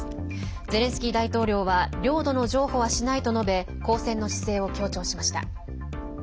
ゼレンスキー大統領は領土の譲歩はしないと述べ抗戦の姿勢を強調しました。